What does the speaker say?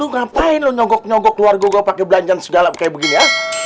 lu ngapain lu nyogok nyogok keluargua gua pake belanjaan sedalam kayak begini hah